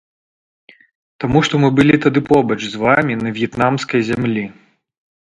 Таму што мы былі тады побач з вамі на в'етнамскай зямлі.